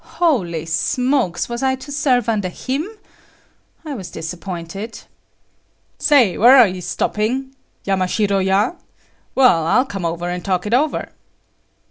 Holy smokes! was I to serve under him? I was disappointed. "Say, where are you stopping? Yamashiro ya? Well, I'll come and talk it over."